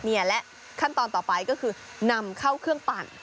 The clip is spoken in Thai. นี่และขั้นตอนต่อไปก็คือนำเข้าเครื่องปั่น